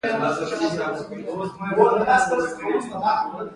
لوړو زده کړو وزارت څه کوي؟